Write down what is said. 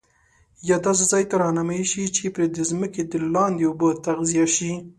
یا داسي ځاي ته رهنمایی شي چي پري د ځمکي دلاندي اوبه تغذیه شي